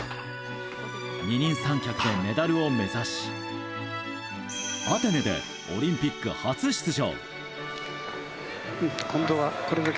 二人三脚でメダルを目指しアテネでオリンピック初出場。